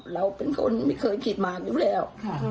เราเป็นคนไม่เคยคิดมาอยู่แล้ว